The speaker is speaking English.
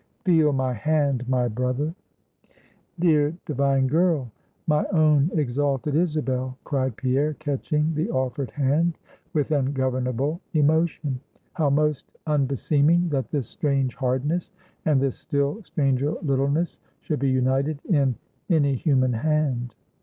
Feel my hand, my brother." "Dear divine girl, my own exalted Isabel!" cried Pierre, catching the offered hand with ungovernable emotion, "how most unbeseeming, that this strange hardness, and this still stranger littleness should be united in any human hand.